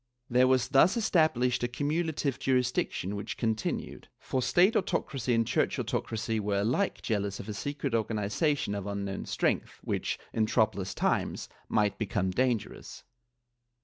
^ There was thus established a cumulative jurisdiction which continued, for State autocracy and Church autocracy were alike jealous of a secret organization of unknown strength which, in troublous times, might become dangerous.